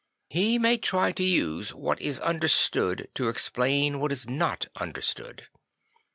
He may try to use what is under stood to explain what is not understood.